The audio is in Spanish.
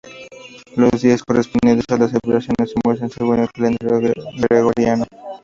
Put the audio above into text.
Los días correspondientes a las celebraciones se muestran según el calendario gregoriano.